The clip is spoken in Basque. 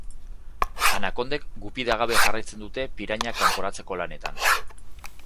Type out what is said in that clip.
Anakondek gupidagabe jarraitzen dute pirañak kanporatzeko lanetan.